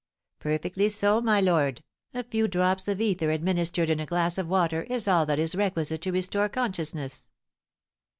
"Perfectly so, my lord; a few drops of ether administered in a glass of water is all that is requisite to restore consciousness."